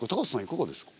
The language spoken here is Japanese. いかがですか？